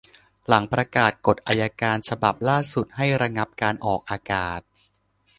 หลังประกาศกฎอัยการฉบับล่าสุดให้ระงับการออกอากาศ